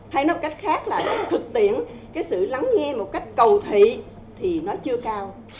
hay nói cách khác là cái thực tiễn cái sự lắng nghe một cách cầu thị thì nó chưa cao